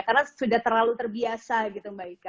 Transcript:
karena sudah terlalu terbiasa gitu mba ika